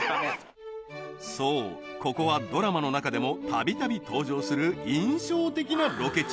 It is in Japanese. そうここはドラマの中でもたびたび登場する印象的なロケ地